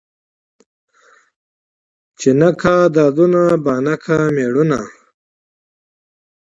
ـ چې نه کا دادونه بانه کا مېړونه.